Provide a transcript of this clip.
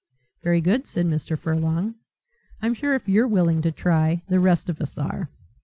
"Very good," said Mr. Furlong, "I'm sure if you're willing to try, the rest of us are."